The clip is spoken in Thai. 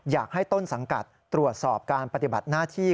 อยากให้ต้นสังกัดตรวจสอบการปฏิบัติหน้าที่